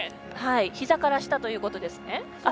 ひざから下ということですね。